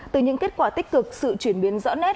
từ những kết quả tích cực sự chuyển biến rõ nét